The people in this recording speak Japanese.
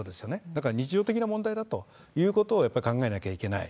だから日常的な問題だということをやっぱり考えなきゃいけない。